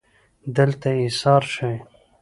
دلته ایسار شئ